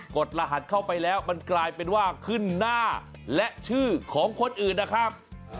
กรหัสเข้าไปแล้วมันกลายเป็นว่าขึ้นหน้าและชื่อของคนอื่นนะครับ